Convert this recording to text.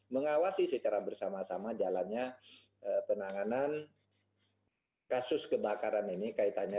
mengawasi secara bersama sama jalannya penanganan kasus kebakaran ini kaitannya